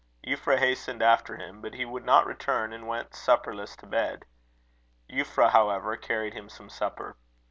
Euphra, hastened after him; but he would not return, and went supperless to bed. Euphra, however, carried him some supper.